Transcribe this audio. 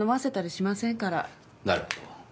なるほど。